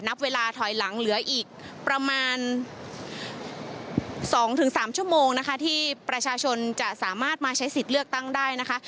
นับเวลาถอยหลังเหลืออีกประมาณ๒๓ชั่วโมงนะคะที่ประชาชนจะสามารถมาใช้สิทธิ์เลือกตั้งได้นะคะ